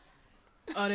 あれ？